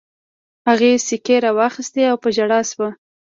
هغې سيکې را واخيستې او په ژړا شوه.